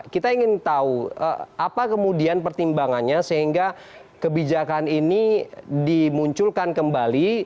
kita ingin tahu apa kemudian pertimbangannya sehingga kebijakan ini dimunculkan kembali